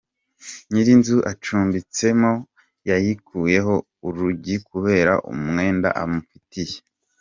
Nyir’inzu acumbitsemo yayikuyeho urugi kubera umwenda amufitiye.